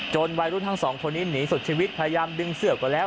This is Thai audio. วัยรุ่นทั้งสองคนนี้หนีสุดชีวิตพยายามดึงเสือก่อนแล้ว